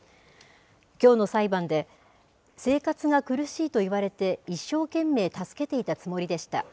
きょうの裁判で、生活が苦しいと言われて一生懸命助けていたつもりでした。